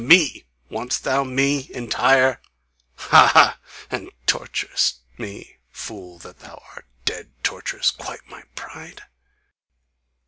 ME wantst thou? me? Entire?... Ha! Ha! And torturest me, fool that thou art, Dead torturest quite my pride?